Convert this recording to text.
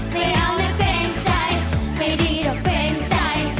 ไม่เอาแล้วเกรงใจไม่ดีหรอกเกรงใจ